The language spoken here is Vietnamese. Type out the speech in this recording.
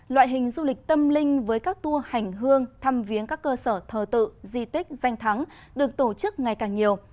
loại hình du lịch tâm linh với các tour hành hương thăm viếng các cơ sở thờ tự di tích danh thắng được tổ chức ngày càng nhiều